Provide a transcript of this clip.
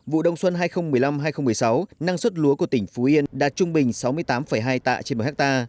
vụ đông xuân hai nghìn một mươi năm hai nghìn một mươi sáu năng suất lúa của tỉnh phú yên đạt trung bình sáu mươi tám hai tạ trên một ha